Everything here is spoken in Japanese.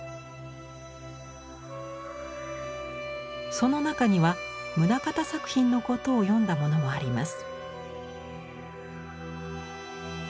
その中には棟方作品のことを詠んだものもあります。